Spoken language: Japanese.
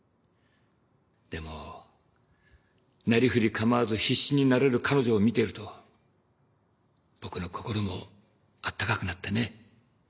でもなりふり構わず必死になれる彼女を見てると僕の心も温かくなってね。